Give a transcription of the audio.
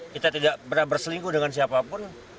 kita tidak pernah berselingkuh dengan siapapun